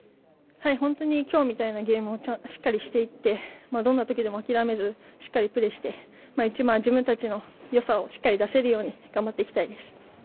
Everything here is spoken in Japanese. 本当に今日みたいなゲームをしっかりしていってどんなときでも諦めずしっかりプレーして自分たちのよさをしっかり出せるように頑張っていきたいです。